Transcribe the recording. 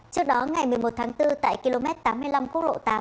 trước đó ngày một mươi một tháng bốn tại km tám mươi năm quốc lộ tám